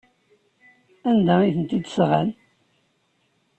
Anda ay tent-id-sɣan?